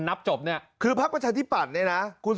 แนน